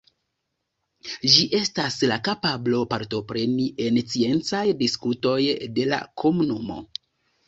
Ĝi estas la kapablo partopreni en sciencaj diskutoj de la komunumo.